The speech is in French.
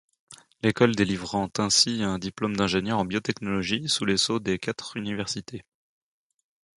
L'École délivrant ainsi un diplôme d'ingénieur en biotechnologie, sous les sceaux des quatre universités.